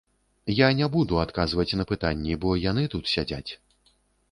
Я не буду адказваць на пытанні, бо яны тут сядзяць.